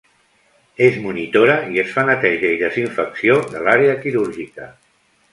Es monitora i es fa neteja i desinfecció de l'àrea quirúrgica.